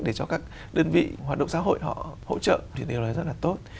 để cho các đơn vị hoạt động xã hội họ hỗ trợ thì điều này rất là tốt